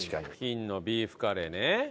金のビーフカレーね。